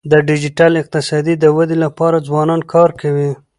د ډیجیټل اقتصاد د ودي لپاره ځوانان کار کوي.